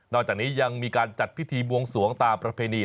จากนี้ยังมีการจัดพิธีบวงสวงตามประเพณี